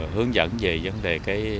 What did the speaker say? hướng dẫn về vấn đề